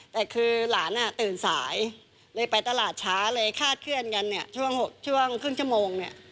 แต่คือหลานตื่นสายเลยไปตลาดช้าเลยคาดเคลื่อนกันเนี่ยช่วงครึ่งชั่วโมงเนี่ย